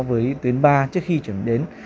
với tuyến ba trước khi chuyển đến